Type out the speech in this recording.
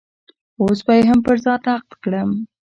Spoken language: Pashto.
اوس به يې هم پر ځای نقد کړم.